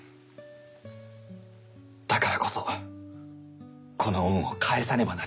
だからこそこの恩を返さねばなりません。